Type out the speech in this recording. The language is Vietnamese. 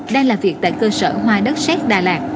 đang làm việc tại cơ sở hoa đất xét đà lạt